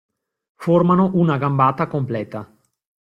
Formano una gambata completa.